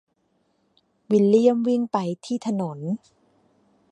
วิลเลียมวิ่งไปที่ถนน